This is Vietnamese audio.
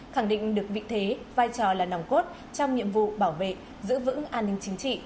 khẳng định được vị thế vai trò là nòng cốt trong nhiệm vụ bảo vệ giữ vững an ninh chính trị